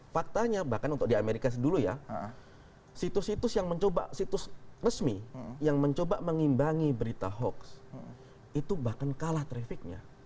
faktanya bahkan untuk di amerika dulu ya situs situs yang mencoba situs resmi yang mencoba mengimbangi berita hoax itu bahkan kalah trafficnya